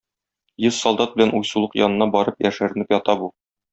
Йөз солдат белән уйсулык янына барып яшеренеп ята бу.